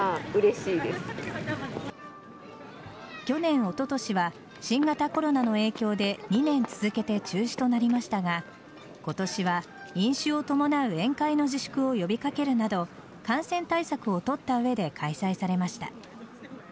去年おととしは新型コロナの影響で２年続けて中止となりましたが今年は飲酒を伴う宴会の自粛を呼び掛けるなど感染対策を取った上で開催されました。